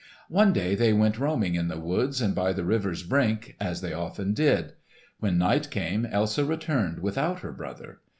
"One day they went roaming in the woods and by the river's brink, as they often did. When night came, Elsa returned without her brother.